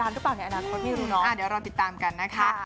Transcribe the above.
อ่ะบอกดีบอกดีบอกดี